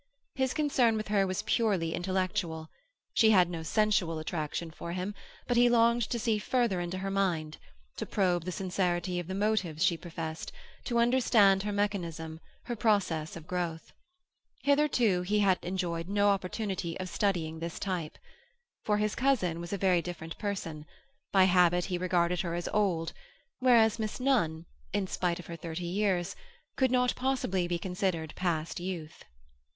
His concern with her was purely intellectual; she had no sensual attraction for him, but he longed to see further into her mind, to probe the sincerity of the motives she professed, to understand her mechanism, her process of growth. Hitherto he had enjoyed no opportunity of studying this type. For his cousin was a very different person; by habit he regarded her as old, whereas Miss Nunn, in spite of her thirty years, could not possibly be considered past youth.